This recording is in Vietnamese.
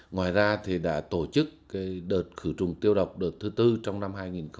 ngoài ra thì đã tổ chức đợt khử trùng tiêu độc đợt thứ tư trong năm hai nghìn hai mươi